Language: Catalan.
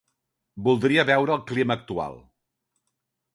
Voldria veure el clima actual.